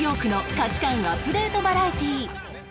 価値観アップデートバラエティー